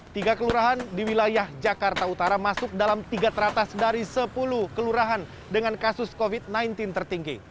tiga kelurahan di wilayah jakarta utara masuk dalam tiga teratas dari sepuluh kelurahan dengan kasus covid sembilan belas tertinggi